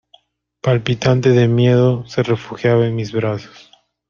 palpitante de miedo, se refugiaba en mis brazos.